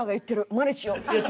「まねしよう」。